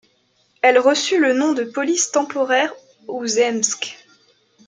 Elle reçut le nom de Police temporaire ou Zemsk.